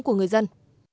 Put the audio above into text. của người dân